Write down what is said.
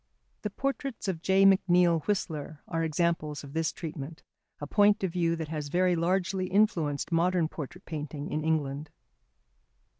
The portraits of J. McNeill Whistler are examples of this treatment, a point of view that has very largely influenced modern portrait painting in England.